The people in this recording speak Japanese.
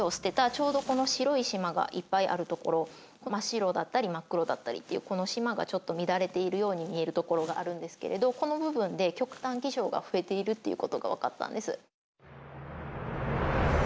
ちょうどこの白い縞がいっぱいあるところ真っ白だったり真っ黒だったりっていうこの縞がちょっと乱れているように見えるところがあるんですけれどこの部分で極端気象が増えているっていうことが分かったんです。